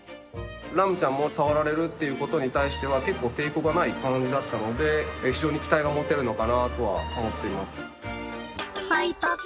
ラムちゃんも触られるっていうことに対しては結構抵抗がない感じだったので非常に期待が持てるのかなとは思っています。